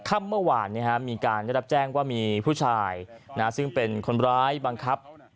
ค่ำเมื่อวานมีการได้รับแจ้งว่ามีผู้ชายซึ่งเป็นคนร้ายบังคับ